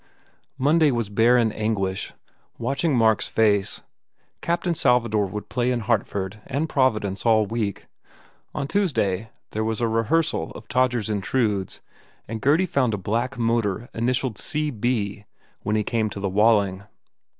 Monday was barren anguish, watching Mark s face. "Captain Salvador" would play in Hart ford and Providence all week. On Tuesday there was a rehearsal of "Todgers Intrudes" and Gurdy found a black motor initialed C. B. when he came to the Walling.